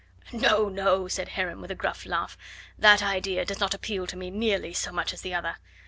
"No, no!" said Heron with a gruff laugh; "that idea does not appeal to me nearly so much as the other.